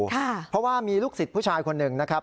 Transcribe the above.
เพราะว่ามีลูกศิษย์ผู้ชายคนหนึ่งนะครับ